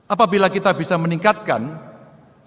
apabila kita bisa meningkatkan sektor pangan indonesia